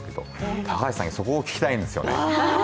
高橋さんにそこを聞きたいんですよね。